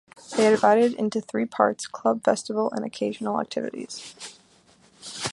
These are divided into three parts : Club, Festival, Occasional activities.